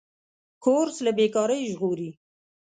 کورس له بېکارۍ ژغوري.